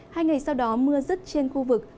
hai ngày sau đó mưa rứt trên khu vực